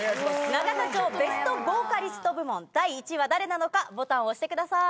永田町ベストボーカリスト部門第１位は誰なのかボタンを押してください。